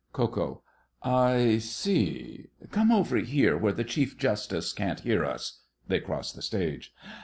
KO. I see. Come over here where the Chief Justice can't hear us. (They cross the stage.)